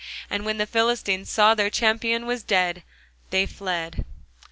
And when the Philistines saw their champion was dead, they fled.